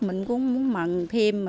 mình cũng muốn mận thêm